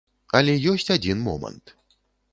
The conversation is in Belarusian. Але ёсць адзін момант.